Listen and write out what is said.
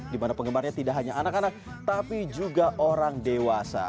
di mana penggemarnya tidak hanya anak anak tapi juga orang dewasa